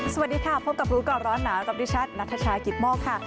สวัสดีค่ะพบกับรู้ก่อนร้อนหนาวกับดิฉันนัทชายกิตโมกค่ะ